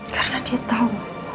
karena dia tahu